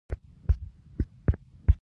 زموږ خوږ پیغمبر د غوره اخلاقو څښتن دی.